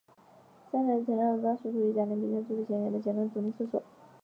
三年内陈亮镛在当时处于甲组联赛豪不显眼的修咸顿阵中成为主力射手。